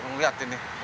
baru lihat ini